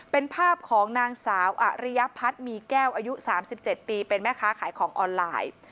เป็นภาพของนางสาวอริยพัฒน์มีแก้วอายุ๓๗ปีเป็นแม่ค้าขายของออนไลน์